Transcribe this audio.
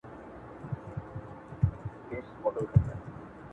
سپی یوازي تر ماښام پوري غپا کړي!.